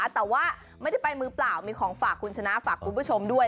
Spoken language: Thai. แต่ว่าไม่ได้ไปมือเปล่ามีของฝากคุณชนะฝากคุณผู้ชมด้วย